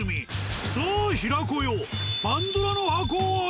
さあ平子よ